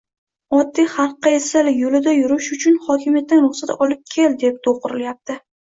Oddiy xalqqa esa yoʻlda yurish uchun hokimiyatdan ruxsat olib kel deb doʻq urilyapti.